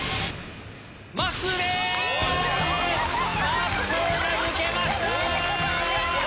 まっすーが抜けました！